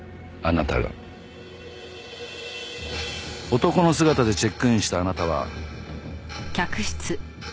男の姿でチェックインしたあなたは。